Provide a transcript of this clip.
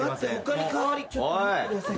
他に代わりちょっと待ってください。